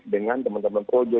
dengan teman teman projo